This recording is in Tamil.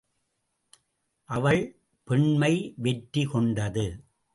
அவள் பெண்மை வெற்றி கொண்டது.